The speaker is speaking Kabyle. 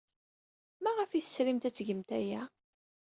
Maɣef ay tesrimt ad tgemt aya?